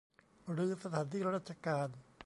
หรือสถานที่ราชการ